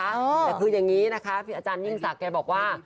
แต่คือยังงี้นะคะอาจารย์ยิ่งศักดิ์แกบอกว่า